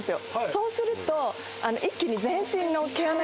そうすると。